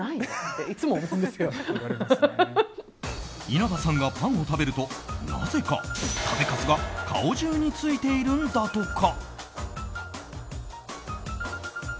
稲葉さんがパンを食べるとなぜか、食べかすが顔中についているんだとか。